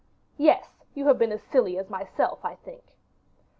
"Yes; you have been as silly as myself, I think."